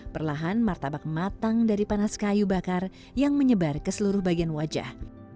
perlahan martabak matang dari panas kayu bakar yang menyebar ke seluruh bagian wajah